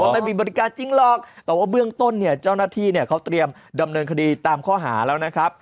ไม่มีบริการจริงหรอกแต่ว่าเบื้องต้นเนี่ยเจ้าหน้าที่เนี่ยเขาเตรียมดำเนินคดีตามข้อหาแล้วนะครับ